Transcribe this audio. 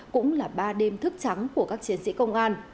cũng là ba đêm thức trắng của các chiến sĩ công an